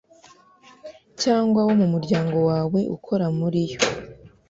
cyangwa wo mu muryango wawe ukora muri yo